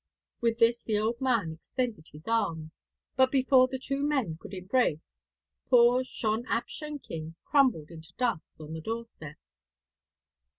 With this the old man extended his arms, but before the two men could embrace, poor Shon ap Shenkin crumbled into dust on the doorstep.